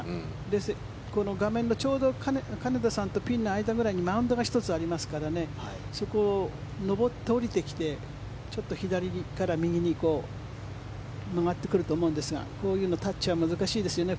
で、この画面の金田さんとピンの間ぐらいにマウンドが１つありますからねそこを上って下りてきてちょっと左から右に曲がってくると思うんですがこういうのはタッチが難しいですよね。